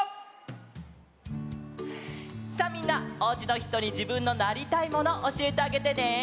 さあみんなおうちのひとにじぶんのなりたいモノおしえてあげてね！